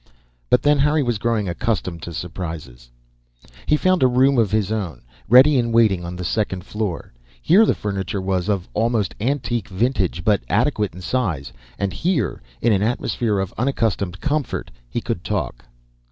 But then, Harry was growing accustomed to surprises. He found a room of his own, ready and waiting, on the second floor; here the furniture was of almost antique vintage, but adequate in size. And here, in an atmosphere of unaccustomed comfort, he could talk.